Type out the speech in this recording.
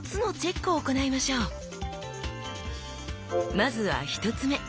まずは１つ目！